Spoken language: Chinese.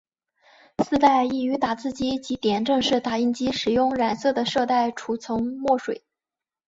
丝带亦于打字机及点阵式打印机使用染色的色带储存墨水。